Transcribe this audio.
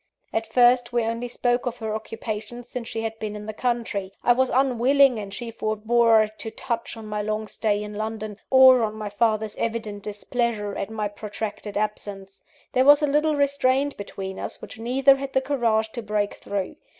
At first, we only spoke of her occupations since she had been in the country; I was unwilling, and she forbore, to touch on my long stay in London, or on my father's evident displeasure at my protracted absence. There was a little restraint between us, which neither had the courage to break through.